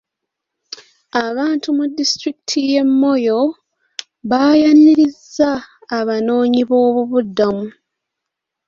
Abantu mu disitulikiti y'e Moyo baayaniriza abanoonyiboobubudamu.